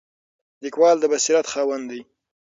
لیکوال د بصیرت خاوند دی.